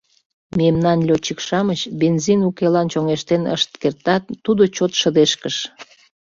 Мемнан лётчик-шамыч бензин укелан чоҥештен ышт кертат, тудо чот шыдешкыш.